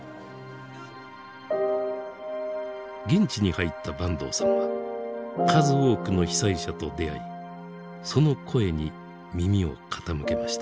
現地に入った坂東さんは数多くの被災者と出会いその声に耳を傾けました。